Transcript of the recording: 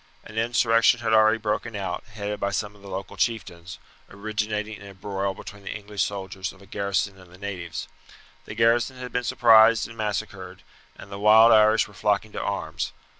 An insurrection had already broken out, headed by some of the local chieftains, originating in a broil between the English soldiers of a garrison and the natives. The garrison had been surprised and massacred, and the wild Irish were flocking to arms.